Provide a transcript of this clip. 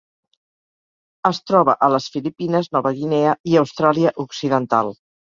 Es troba a les Filipines, Nova Guinea i Austràlia Occidental.